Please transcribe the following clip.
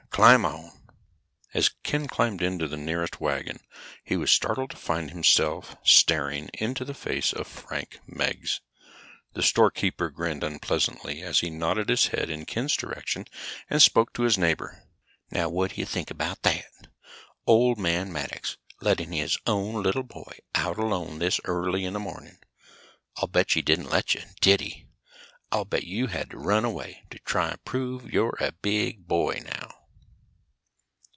Climb on." As Ken climbed into the nearest wagon he was startled to find himself staring into the face of Frank Meggs. The storekeeper grinned unpleasantly as he nodded his head in Ken's direction and spoke to his neighbor. "Now what do you know about that? Old Man Maddox, letting his own little boy out alone this early in the morning. I'll bet he didn't let you, did he? I'll bet you had to run away to try to prove you're a big boy now."